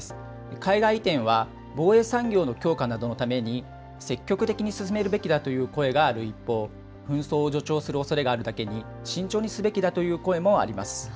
海外移転は防衛産業の強化などのために積極的に進めるべきだという声がある一方、紛争を助長するおそれがあるだけに、慎重にすべきだという声もあります。